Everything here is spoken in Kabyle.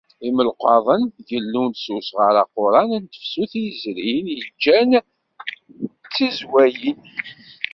Imelqaḍen gellun-d s usɣar aquran n tefsut i yezrin i ǧǧan d tiẓwayin.